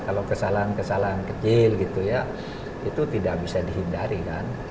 kalau kesalahan kesalahan kecil gitu ya itu tidak bisa dihindari kan